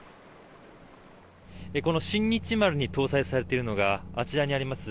この「新日丸」に搭載されているのがあちらにあります